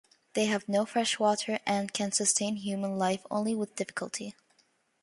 They have no fresh water and can sustain human life only with difficulty.